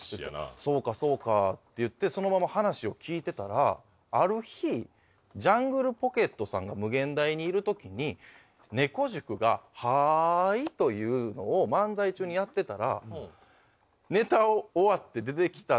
「そうかそうか」って言ってそのまま話を聞いてたらある日ジャングルポケットさんが「ムゲンダイ」にいる時に猫塾が「はい」というのを漫才中にやってたら。